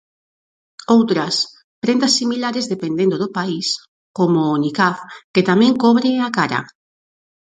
Outras, prendas similares dependendo do país, como o niqab, que tamén cobre a cara.